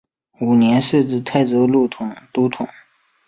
五年设置泰州路都统。